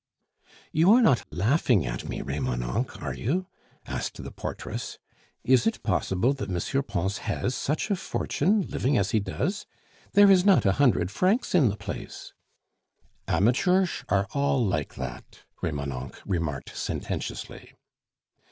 "You are not laughing at me, Remonencq, are you?" asked the portress. "Is it possible that M. Pons has such a fortune, living as he does? There is not a hundred francs in the place " "Amateursh are all like that," Remonencq remarked sententiously.